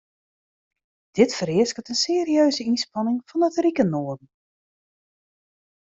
Dit fereasket in serieuze ynspanning fan it rike noarden.